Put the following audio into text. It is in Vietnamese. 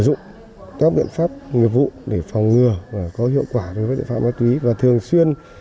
dụng các biện pháp nghiệp vụ để phòng ngừa và có hiệu quả đối với tội phạm ma túy và thường xuyên